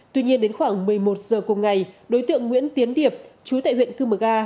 tuy nhiên đến khoảng một mươi một giờ cùng ngày đối tượng nguyễn tiến điệp chú tại huyện cư mờ ga